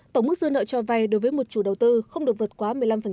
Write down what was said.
tổng mức dư nợ cho vay đối với một chủ đầu tư không được vượt quá một mươi năm